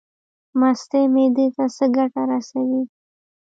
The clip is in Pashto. مستې معدې ته څه ګټه رسوي؟